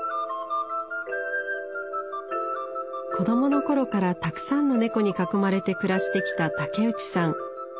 子どもの頃からたくさんの猫に囲まれて暮らしてきた竹内さん。